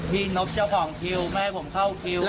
นบเจ้าของคิวไม่ให้ผมเข้าคิว